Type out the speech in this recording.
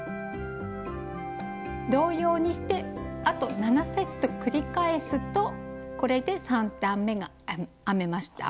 同様にしてあと７セット繰り返すとこれで３段めが編めました。